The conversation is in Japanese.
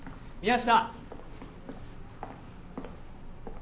宮下。